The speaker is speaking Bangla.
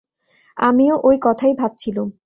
আমিও ঐ কথাই ভাবছিলুম।